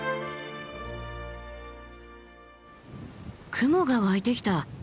雲が湧いてきた。